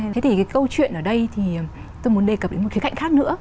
thế thì cái câu chuyện ở đây thì tôi muốn đề cập đến một cái cạnh khác nữa